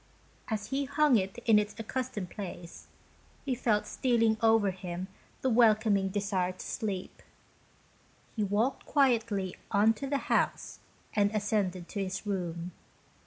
As he hung it in its accustomed place he felt 32 BOmS! TO HIS BONE. Btealing over him the welcome desire to sleep. He walked quietly on to the house and ascended to his room.